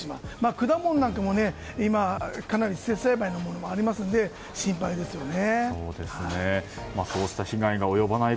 果物なんかもかなり施設栽培のものもありますので心配ですよね。